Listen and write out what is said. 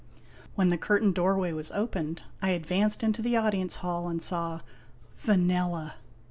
When the curtained doorway was opened I advanced into the audience hall and saw Vanella